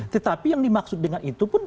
tetapi yang dimaksud dengan itu pun